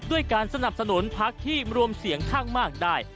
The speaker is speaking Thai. ด้วยการสนับสนุนพักที่รวมเสียงข้างมากได้